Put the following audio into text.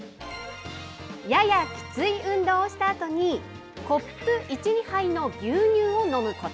ややきつい運動をしたあとに、コップ１、２杯の牛乳を飲むこと。